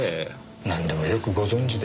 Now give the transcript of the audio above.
なんでもよくご存じで。